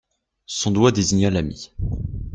Son doigt désigna l'ami.